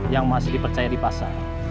yang masih dipercaya di pasar